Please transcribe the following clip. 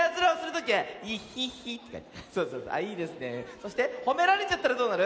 そしてほめられちゃったらどうなる？